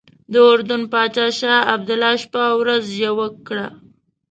د اردن پاچا شاه عبدالله شپه او ورځ یوه کړه.